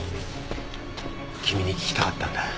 君に聞きたかったんだ。